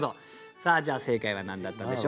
さあじゃあ正解は何だったんでしょうか。